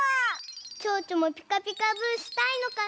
ちょうちょもピカピカブしたいのかな？